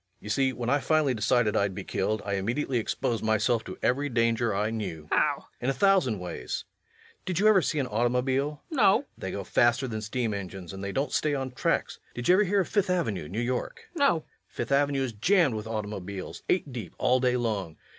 You see, when I finally decided I'd be killed, I immediately exposed myself to every danger I knew. LUKE. How? REVENUE. In a thousand ways.... Did you ever see an automobile? LUKE. No. REVENUE. They go faster than steam engines, and they don't stay on tracks. Did you ever hear of Fifth Avenue, New York? LUKE. No. REVENUE. Fifth Avenue is jammed with automobiles, eight deep all day long.